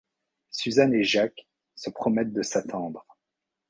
Suzanne et Jacques se promettent de s'attendre.